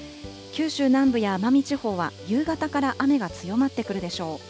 九州南部や奄美地方は夕方から雨が強まってくるでしょう。